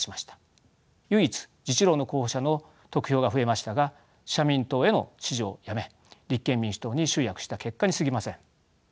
唯一自治労の候補者の得票が増えましたが社民党への支持をやめ立憲民主党に集約した結果にすぎません。